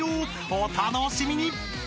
［お楽しみに！］